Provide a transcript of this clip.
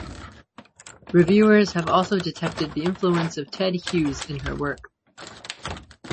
Reviewers have also detected the influence of Ted Hughes in her work.